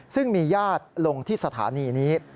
ซึ่งมีญาติลงที่สถานีนี้